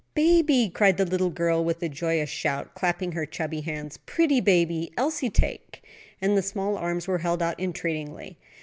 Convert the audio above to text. "Baby!" cried the little girl, with a joyous shout, clapping her chubby hands, "pretty baby Elsie take"; and the small arms were held out entreatingly.